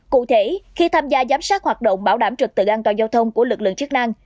cụ thể khi tham gia giám sát hoạt động bảo đảm trực tự an toàn giao thông của lực lượng chức năng